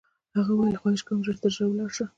هغې وویل: خواهش کوم، ژر تر ژره ولاړ شه.